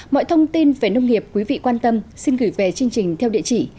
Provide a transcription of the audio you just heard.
mọi thông tin về nông nghiệp quý vị quan tâm xin gửi về chương trình theo địa chỉ